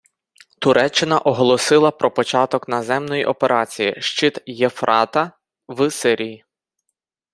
Туреччина оголосила про початок наземної операції «Щит Євфрата» в Сирії.